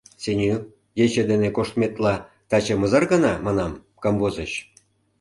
— Сеню, ече дене коштметла, таче мызар гана, манам, камвозыч?